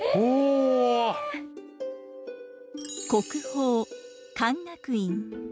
国宝勧学院。